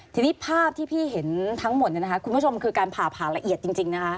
ทีนี้ภาพที่พี่เห็นทั้งหมดคุณผู้ชมคือการผ่าผ่าละเอียดจริงนะคะ